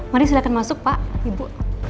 mari silahkan masuk pak ibu